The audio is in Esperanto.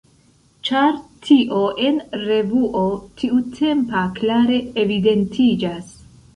Ĉar tio en revuo tiutempa klare evidentiĝas.